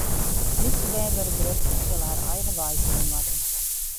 Lytse bern wurde grut en sille har eigen wei fine moatte.